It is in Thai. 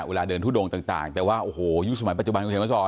เวลาเดินทุดงต่างแต่ว่าโอ้โหยุคสมัยปัจจุบันคุณเขียนมาสอน